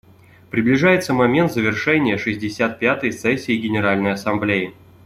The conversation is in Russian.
Приближается момент завершения шестьдесят пятой сессии Генеральной Ассамблеи.